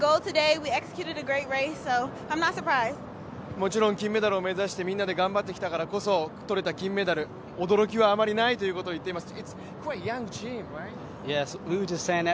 もちろん金メダルを目指してみんで頑張ってきたからこそ取れた金メダル、驚きはあまりないということを言っています。